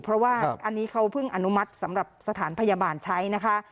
เพราะว่าอันนี้เขาเพิ่งอนุมัติสำหรับสถานพยาบาลใช้นะคะ